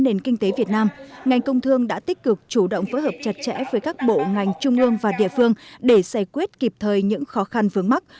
nền kinh tế việt nam ngành công thương đã tích cực chủ động phối hợp chặt chẽ với các bộ ngành trung ương và địa phương để giải quyết kịp thời những khó khăn vướng mắt